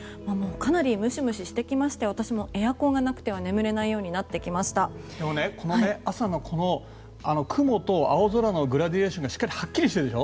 かなりムシムシしてきまして私もエアコンがなくては朝のこの雲と雲と青空のグラデーションがしっかりはっきりしてるでしょ。